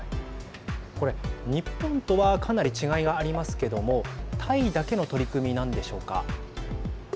これ、日本とはかなり違いがありますけどもタイだけの取り組みなんでしょうか。